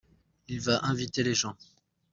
Il va inviter les gens.